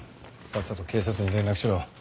さっさと警察に連絡しろ。